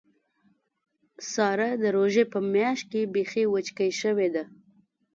ساره د روژې په میاشت کې بیخي وچکۍ شوې ده.